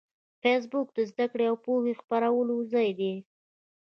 فېسبوک د زده کړې او پوهې د خپرولو ځای دی